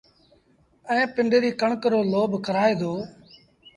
ائيٚݩ پنڊريٚ ڪڻڪ رو لوب ڪرآئي دو